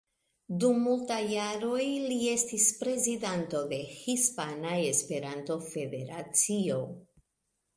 Dum multaj jaroj li estis prezidanto de Hispana Esperanto-Federacio.